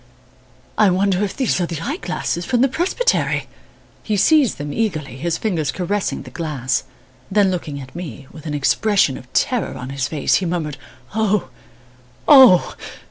I wonder if these are the eye glasses from the presbytery!" He seized them eagerly, his fingers caressing the glass. Then looking at me, with an expression of terror on his face, he murmured, "Oh! Oh!"